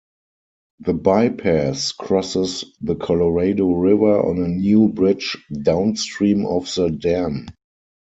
The bypass crosses the Colorado River on a new bridge downstream of the dam.